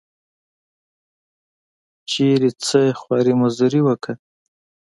چېرته څه خواري مزدوري وکړه.